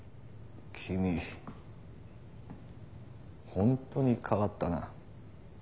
君ホントに変わったな。